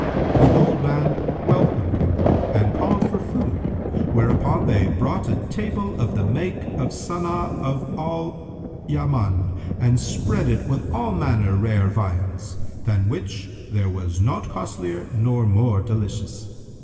The old man welcomed him and called for food, whereupon they brought a table of the make of Sana'a of al Yaman and spread it with all manner rare viands, than which there was naught costlier nor more delicious.